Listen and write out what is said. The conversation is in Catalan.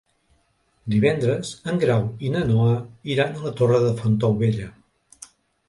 Divendres en Grau i na Noa iran a la Torre de Fontaubella.